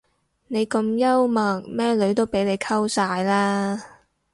你咁幽默咩女都俾你溝晒啦